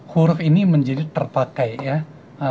huruf ini menjadi terpakai ya